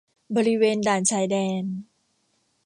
บริเวณด่านชายแดน